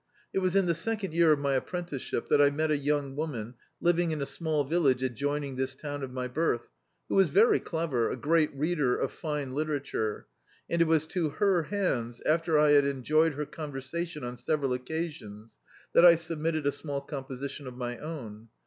It was in the second year of my apprenticeship that I met a young wcman living in a small village adjoining this town of my birth, who was very clever, a great reader of fine literature; and it was to her hands, after I had en jc^ed her conversation on several occasions, that I submitted a small composition of my own.